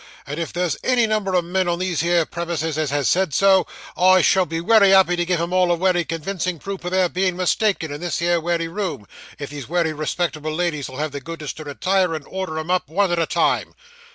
And if there's any number o' men on these here premises as has said so, I shall be wery happy to give 'em all a wery convincing proof o' their being mistaken, in this here wery room, if these wery respectable ladies 'll have the goodness to retire, and order 'em up, one at a time.